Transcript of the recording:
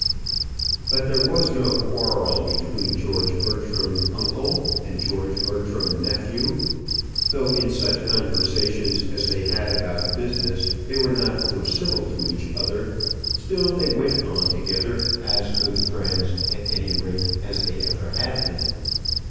But there was no quarrel between George Bertram uncle and George Bertram nephew: though in such conversations as they had about business they were not over civil to each other, still they went on together as good friends, at any rate as they ever had been.